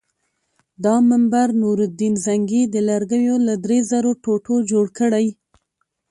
دا منبر نورالدین زنګي د لرګیو له درې زرو ټوټو جوړ کړی.